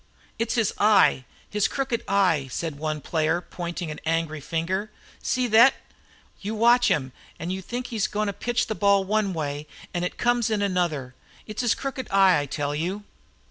"It's his eye, his crooked eye," said one player, pointing an angry finger. "See thet! You watch him, an' you think he's goin' to pitch the ball one way, an' it comes another, it's his crooked eye, I tell you!"